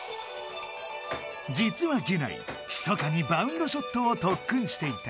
じつはギュナイひそかにバウンドショットをとっくんしていた。